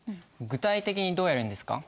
具体的にどうやるんですか？